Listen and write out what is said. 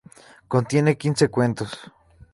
Contiene quince cuentos.